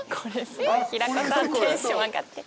平子さんテンション上がってた。